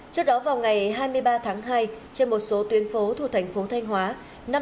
trước đó vào ngày hai mươi ba tháng hai trên một số tuyến phố thuộc thành phố thanh hóa